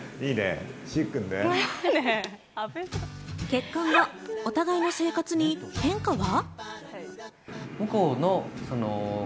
結婚後、お互いの生活に変化が？